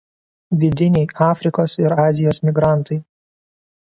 Vidiniai Afrikos ir Azijos migrantai.